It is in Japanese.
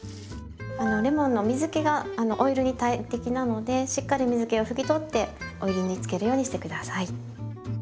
レモンの水けがオイルに大敵なのでしっかり水気をふき取ってオイルに漬けるようにして下さい。